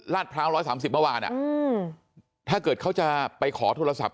พร้าว๑๓๐เมื่อวานถ้าเกิดเขาจะไปขอโทรศัพท์